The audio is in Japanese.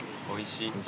おいしい。